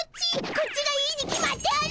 こっちがいいに決まっておる！